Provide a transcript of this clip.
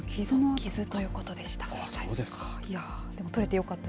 傷ということでした。